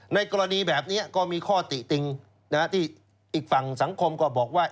ในกรณีแบบนี้ก็มีข้อติติงที่อีกฝั่งสังคมก็บอกว่า